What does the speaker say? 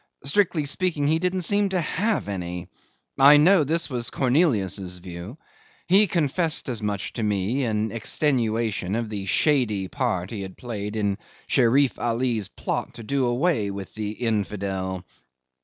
Strictly speaking he didn't seem to have any. I know this was Cornelius's view. He confessed that much to me in extenuation of the shady part he had played in Sherif Ali's plot to do away with the infidel.